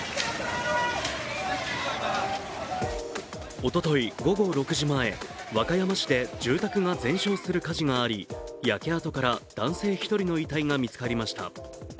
おととい午後６時前、和歌山市で住宅が全焼する火事があり焼け跡から男性１人の遺体が見つかりました。